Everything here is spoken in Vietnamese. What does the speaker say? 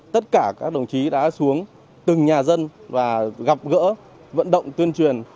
tất cả các đồng chí đã xuống từng nhà dân và gặp gỡ vận động tuyên truyền